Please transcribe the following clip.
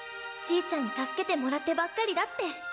ちぃちゃんに助けてもらってばっかりだって。